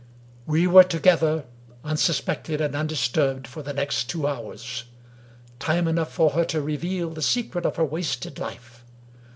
We were together, unsuspected and undisturbed, for the next two hours. Time enough for her to reveal the secret of her wasted life.